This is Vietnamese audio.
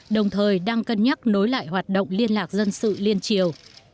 đồng thời đang cân nhắc nối lại hoạt động liên lạc dân sự liên triều